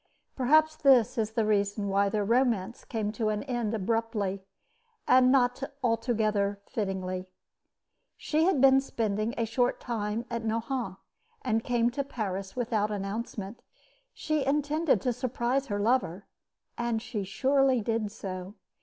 Perhaps this is the reason why their romance came to an end abruptly, and not altogether fittingly. She had been spending a short time at Nohant, and came to Paris without announcement. She intended to surprise her lover, and she surely did so.